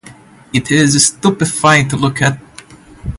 It is stupefying to look at.